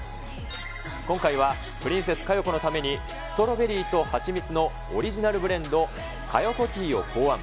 今回はプリンセス佳代子のために、ストロベリーと蜂蜜のオリジナルブレンド、佳代子ティーを考案。